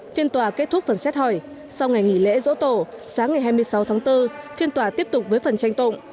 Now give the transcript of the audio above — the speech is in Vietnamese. phiên tòa kết thúc phần xét hỏi sau ngày nghỉ lễ dỗ tổ sáng ngày hai mươi sáu tháng bốn phiên tòa tiếp tục với phần tranh tụng